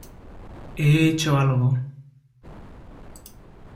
he hecho algo...